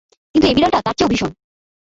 কিন্তু এ বিড়ালটা তার চেয়েও ভীষণ।